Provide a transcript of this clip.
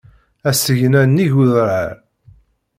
Asegna nnig udrar.